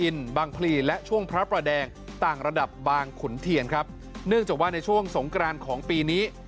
เนื่องจากว่าในช่วงสงกรานของปีนี้